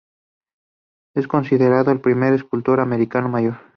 Es considerado es el primer escultor americano mayor.